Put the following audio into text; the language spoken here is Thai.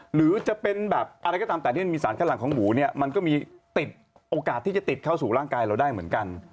หรือจะเป็นแบบอะไรก็ตามแต่ที่มันมีสารข้างหลังของหมูเนี่ยมันก็มีติดโอกาสที่จะติดเข้าสู่ร่างกายเราได้เหมือนกัน